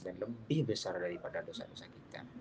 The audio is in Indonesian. dan lebih besar daripada dosa dosa kita